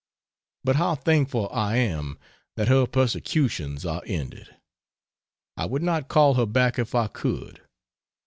But how thankful I am that her persecutions are ended. I would not call her back if I could.